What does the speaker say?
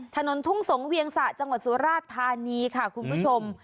ถนนทุ่งสงเวียงสะจังหวัดสุราชธานีค่ะคุณผู้ชม